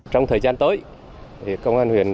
trong thời gian tới công an huyền